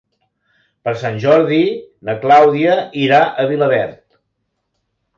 Per Sant Jordi na Clàudia irà a Vilaverd.